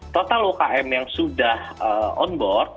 total umkm yang sudah on board